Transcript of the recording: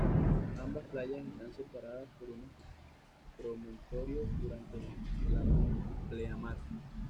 Ambas playas están separadas por unos promontorios durante la pleamar.